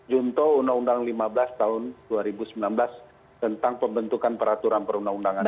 junto undang undang lima belas tahun dua ribu sembilan belas tentang pembentukan peraturan perundang undangan